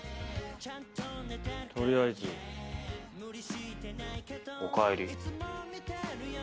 とりあえずおかえり。